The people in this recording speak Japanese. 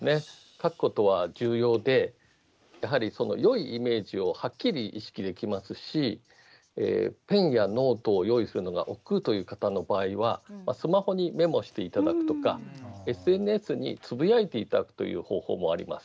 書くことは重要でやはり良いイメージをはっきり意識できますしペンやノートを用意するのがおっくうという方の場合はスマホにメモしていただくとかＳＮＳにつぶやいていただくという方法もあります。